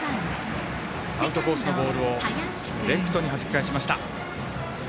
アウトコースのボールをレフトにはじき返しました。